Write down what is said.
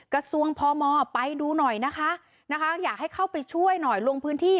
กระทรวงพมไปดูหน่อยนะคะอยากให้เข้าไปช่วยหน่อยลงพื้นที่